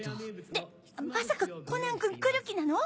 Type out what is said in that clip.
ってまさかコナン君来る気なの⁉